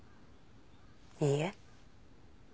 いいえ。